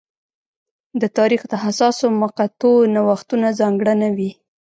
د تاریخ د حساسو مقطعو نوښتونه ځانګړنه وې.